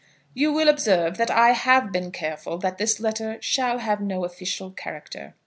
You will observe that I have been careful that this letter shall have no official character.